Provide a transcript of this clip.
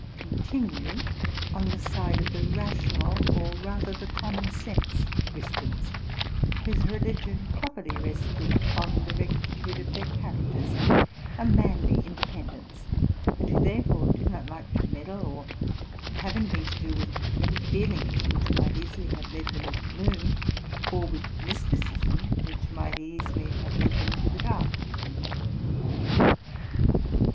309 continue on the side of the rational, or rather the common sense, Christians, whose religion properly rested on the recti tude of their characters, and a manly independence, and who therefore did not like to meddle or have any thing to do with feelings which might easily have led them into gloom, or with mysticism, which might easily have led them into the dark.